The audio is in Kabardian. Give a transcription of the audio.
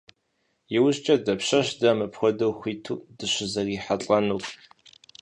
ИужькӀэ дапщэщ дэ мыпхуэдэу хуиту дыщызэрихьэлӀэнур?